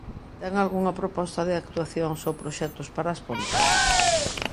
¿Ten algunha proposta de actuacións ou proxectos para as Pontes?